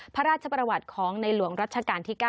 พระราชประวัติของในหลวงรัชกาลที่๙